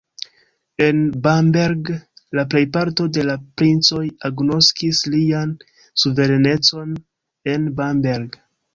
En Bamberg la plejparto de la princoj agnoskis lian suverenecon en Bamberg.